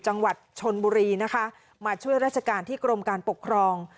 จังหวัดชนบุรีนะคะมาช่วยราชการที่กรมการปกครอง